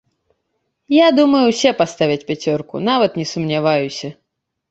Я думаю, усе паставяць пяцёрку, нават не сумняваюся.